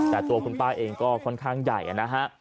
แต่ตัวคุณป้าเองก็ค่อนข้างใหญ่นะฮะ